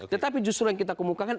tetapi justru yang kita kemukakan